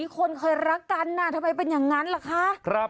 คนเคยรักกันทำไมเป็นอย่างนั้นล่ะคะ